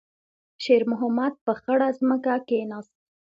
شېرمحمد په خړه ځمکه کېناست.